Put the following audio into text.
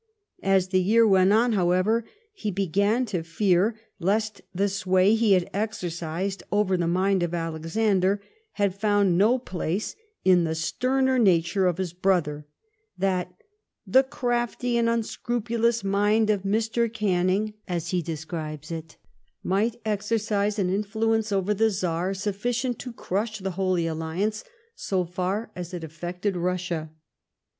As the year went on, however, he began to fear lest the sway he had exercised over the mind of Alexander had found no place in the sterner nature of his brother ; that " the crafty and unscrupulous mind of Mr. Canning," as he GOVEBNMENT BY ItEPBESSION. . 167 describes it, niifrht exercise an influence over the Czar suificient to crush the Holy Alhance, so far as it affected Russia.